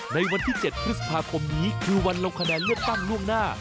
ในวันที่๗พฤษภาคมนี้คือวันลงคะแนนเลือกตั้งล่วงหน้า